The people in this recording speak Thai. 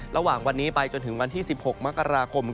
ระหว่างวันนี้ไปจนถึงวันที่๑๖มกราคม